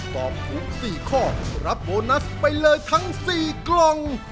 ตอบถูก๔ข้อรับโบนัสไปเลยทั้ง๔กล่อง